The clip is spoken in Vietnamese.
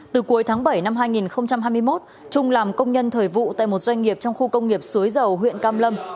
từ cuối tháng bảy năm hai nghìn hai mươi một trung làm công nhân thời vụ tại một doanh nghiệp trong khu công nghiệp suối dầu huyện cam lâm